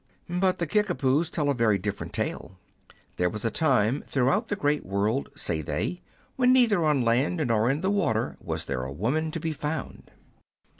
But the Kicka poos tell a very different tale. There was a time throughout the great world, say they, when neither on land nor in the water was there a woman to be found.